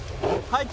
はい。